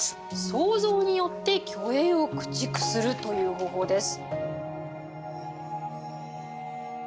「創造によって虚栄を駆逐する」という方法です。